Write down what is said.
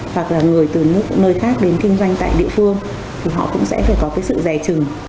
hoặc là người từ nơi khác đến kinh doanh tại địa phương thì họ cũng sẽ phải có cái sự rẻ trừng